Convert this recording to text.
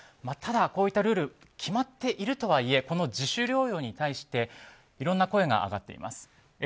ただ、こういったルール決まっているとはいえこの自主療養に対していろんな声が上がっています。